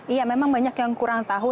iya memang banyak yang kurang tahu